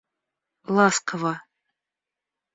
ласково